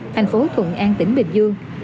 thành phố thuận an tỉnh bình dương